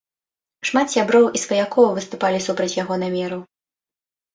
Шмат сяброў і сваякоў выступалі супраць яго намеру.